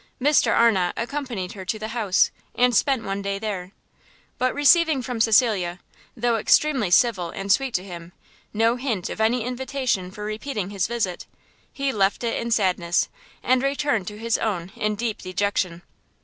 Mr Arnott accompanied her to the house, and spent one day there; but receiving from Cecilia, though extremely civil and sweet to him, no hint of any invitation for repeating his visit, he left it in sadness, and returned to his own in deep dejection.